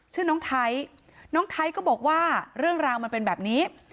ชื่อน้องไทยน้องไทยก็บอกว่าเรื่องราวมันเป็นแบบนี้